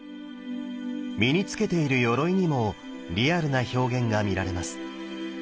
身に着けているよろいにもリアルな表現が見られます。